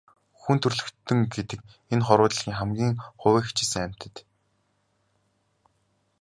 Хүн төрөлхтөн гэдэг энэ хорвоо дэлхийн хамгийн хувиа хичээсэн амьтад.